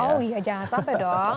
oh iya jangan sampai dong